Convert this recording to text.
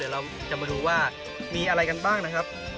เราจะมาดูว่ามีอะไรกันบ้างนะครับ